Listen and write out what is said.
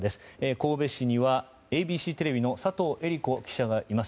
神戸市にはＡＢＣテレビの佐藤江里子記者がいます。